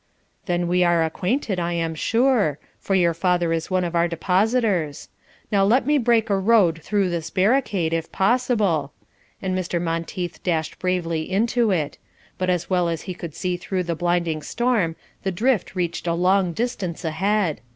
"Then we are acquainted, I am sure, for your father is one of our depositors. Now let me break a road through this barricade, if possible," and Mr. Monteith dashed bravely into it; but as well as he could see through the blinding storm, the drift reached a long distance ahead.